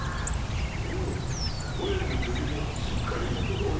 おおこえもくびもすっかりもとどおりだな。